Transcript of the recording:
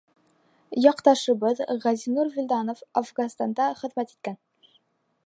Яҡташыбыҙ Ғәзинур Вилданов Афғанстанда хеҙмәт иткән.